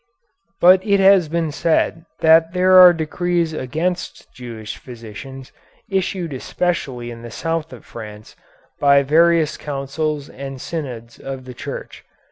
But it has been said that there are decrees against Jewish physicians, issued especially in the south of France, by various councils and synods of the Church.